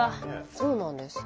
そうなんです。